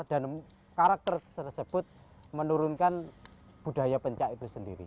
dan karakter tersebut menurunkan budaya pencaksilat itu sendiri